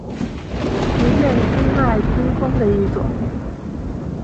福建畸脉姬蜂的一种。